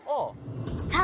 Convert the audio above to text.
さあ